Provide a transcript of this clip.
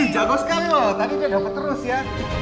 jago sekali loh tadi dia dapat terus ya